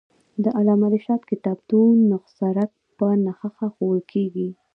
د علامه رشاد کتابتون نسخه رک په نخښه ښوول کېږي.